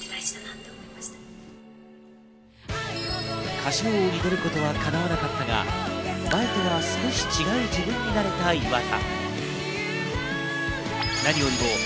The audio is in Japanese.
『歌唱王』に出ることはかなわなかったが、前とは少し違う自分になれた岩田。